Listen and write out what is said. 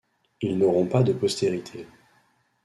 Ils n'auront pas de postérité.